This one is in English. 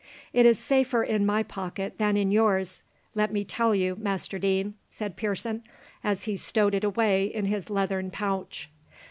"It is safer in my pocket than in yours, let me tell you, Master Deane," said Pearson, as he stowed it away in his leathern pouch.